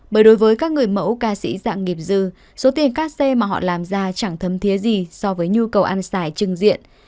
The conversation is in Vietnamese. bởi đối với các người mẫu ca sĩ dạng nghiệp dư số tiền các xe mà họ làm ra chẳng thấm thiế gì so với nhu cầu ăn giải trừng diện